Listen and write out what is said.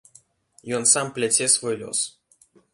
Ён сам пляце свой лёс.